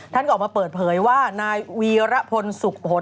ท่านก็ออกมาเปิดเผยว่านายวีรพลสุขผล